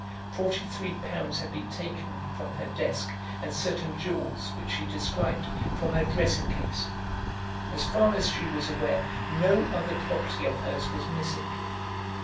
Forty three pounds had been taken from her desk, and certain jewels, which she described, from her dressing case. As far as she was aware, no other property of hers was missing.